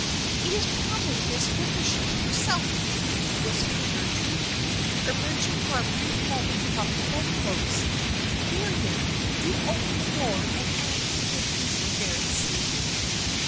" It is probably Miss Wickersham herself !" whispered Gertrude, emerging for a brief moment from the bedclothes. " Marian, do open the door and act as if you were very sleepy."